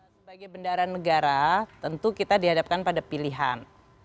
sebagai bendara negara tentu kita dihadapkan pada pilihan